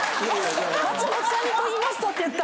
松本さんに「と言いますと」って言った。